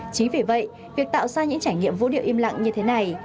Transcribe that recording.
chính vì vậy việc tạo ra những trải nghiệm vũ điệu im lặng như thế này